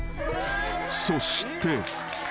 ［そして］